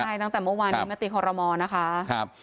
ใช่ตั้งแต่เมื่อวานนี้มติคอรมอลนะคะ